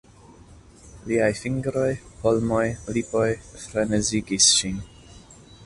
Liaj fingroj, polmoj, lipoj frenezigis ŝin.